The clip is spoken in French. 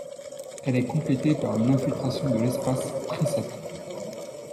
Elle est complétée par une infiltration de l’espace présacré.